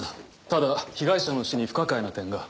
ただ被害者の死に不可解な点が。